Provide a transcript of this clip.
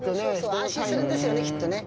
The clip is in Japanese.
安心するんですよね、きっとね。